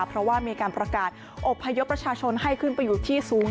เพราะว่ามีการประกาศอบพยพประชาชนให้ขึ้นไปอยู่ที่สูง